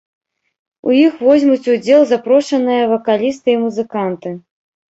У іх возьмуць удзел запрошаныя вакалісты і музыканты.